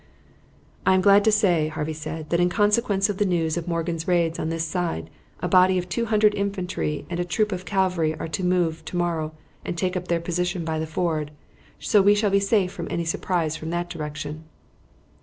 "I am glad to say," Harvey said, "that in consequence of the news of Morgan's raids on this side a body of 200 infantry and a troop of cavalry are to move to morrow and take up their position by the ford, so we shall be safe from any surprise from that direction."